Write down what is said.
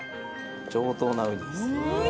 上等なうにです。